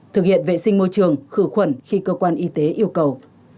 thực hiện vệ sinh môi trường khử khuẩn khi cơ quan y tế yêu cầu